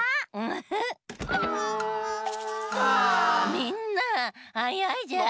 みんなはやいじゃん！